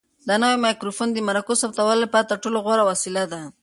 دا نوی مایکروفون د مرکو د ثبتولو لپاره تر ټولو غوره وسیله ده.